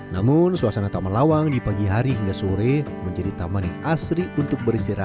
namun suasana taman lawang di pagi hari hingga sore menjadi tamani asri untuk beristirahat